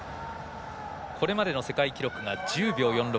これまでの世界記録が１０秒４６。